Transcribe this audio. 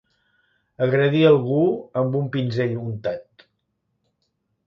Agredir algú amb un pinzell untat.